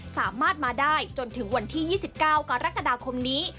สามารถมาได้จนถึงวันที่๒๙กรกฎาคมนี้